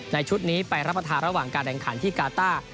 ชุดนี้ไปรับประทานระหว่างการแข่งขันที่กาต้า